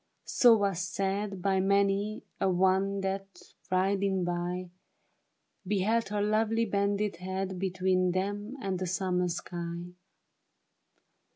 So was said By many a one that, riding by, Beheld her lovely bended head Between them and the summer sky.